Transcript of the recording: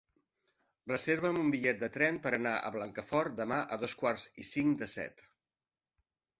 Reserva'm un bitllet de tren per anar a Blancafort demà a dos quarts i cinc de set.